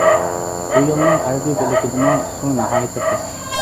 بۇ يولنىڭ غەربى بۆلىكىدىمۇ سۇ ناھايىتى قىس.